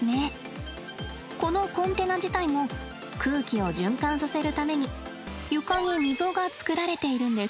このコンテナ自体も空気を循環させるために床に溝が作られているんです。